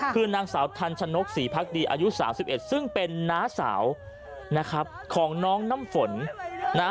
คือนางสาวทันชนกศรีพักดีอายุ๓๑ซึ่งเป็นน้าสาวนะครับของน้องน้ำฝนนะ